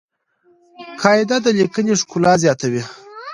قاعده د لیکني ښکلا زیاتوي.